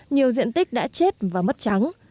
nhiều diện tích đã chết và mất trắng